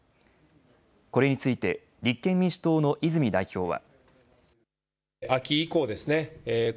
これについて立憲民主党の泉代表は。